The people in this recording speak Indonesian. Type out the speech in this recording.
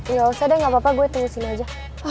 ya udah usah deh gak apa apa gue tunggu sini aja